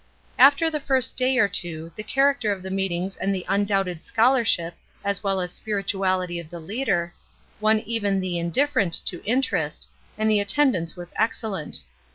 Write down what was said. After the first day or two, the character of the meetings and the imdoubted scholarship 310 ESTER RIED'S NAMESAKE as well as spirituality of the leader, won even the indifferent to interest, and the attendance was excellent.